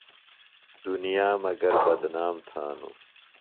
دُنیا مگر بدنام تھانوۡ۔